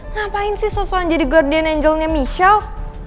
ngapain sih sosoan jadi guardian angelnya michelle